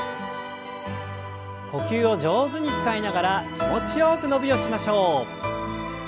呼吸を上手に使いながら気持ちよく伸びをしましょう。